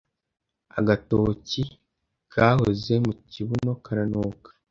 Agatoki gahoze mu kibuno karanuka